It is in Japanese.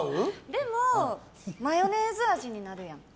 でもマヨネーズ味になるやん。